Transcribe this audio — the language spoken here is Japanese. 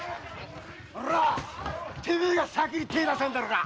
てめえが先に手を出したんだろうが！